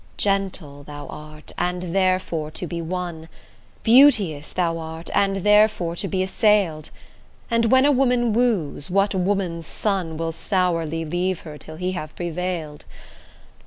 Gentle thou art, and therefore to be won, Beauteous thou art, therefore to be assail'd; And when a woman woos, what woman's son Will sourly leave her till he have prevail'd?